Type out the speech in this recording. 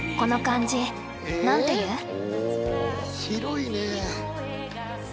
広いね！